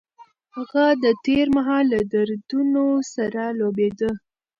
هغه د تېر مهال له دردونو سره لوبېده.